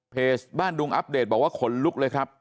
บ้านดุงอัปเดตบอกว่าขนลุกเลยครับ